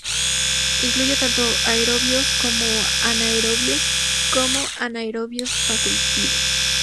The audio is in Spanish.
Incluye tanto aerobios, como anaerobios, como anaerobios facultativos.